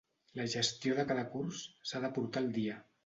La gestió de cada curs s'ha de portar al dia.